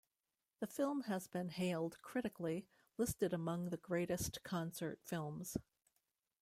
The film has been hailed critically, listed among the greatest concert films.